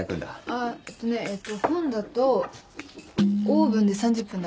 あっえっとねえっと本だとオーブンで３０分だって。